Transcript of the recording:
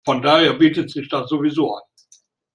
Von daher bietet sich das sowieso an.